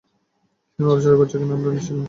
সে নড়াচড়া করছে কিনা আমরা নিশ্চিত নই।